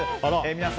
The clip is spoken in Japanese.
皆さん